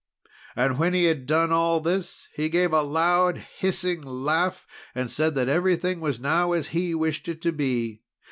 "And when he had done all this, he gave a loud hissing laugh, and said that everything was now as he wished it to be.